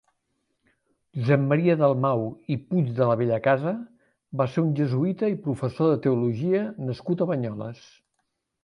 Josep Maria Dalmau i Puig de la Bellacasa va ser un jesuïta i professor de teologia nascut a Banyoles.